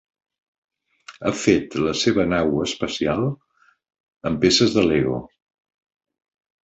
Ha fet la seva nau espacial amb peces de Lego.